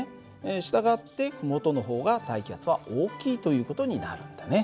従って麓の方が大気圧は大きいという事になるんだね。